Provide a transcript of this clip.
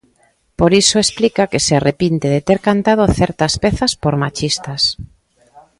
Por iso explica que se arrepinte de ter cantando certas pezas por machistas.